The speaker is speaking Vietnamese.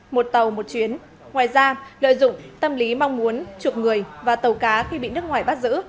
một tàu một chuyến ngoài ra lợi dụng tâm lý mong muốn chuộc người và tàu cá khi bị nước ngoài bắt giữ